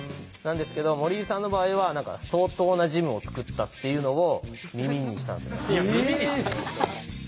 なんですけど森井さんの場合は何か相当なジムを作ったっていうのを耳にしたんですよ。